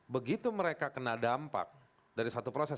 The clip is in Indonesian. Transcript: begitu mereka kena dampak dari satu proses